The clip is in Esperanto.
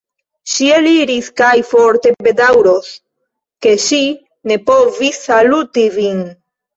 Ŝi eliris kaj forte bedaŭros, ke ŝi ne povis saluti vin.